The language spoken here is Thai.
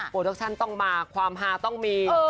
ดักชั่นต้องมาความฮาต้องมี